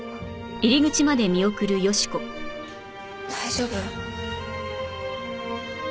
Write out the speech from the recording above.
大丈夫？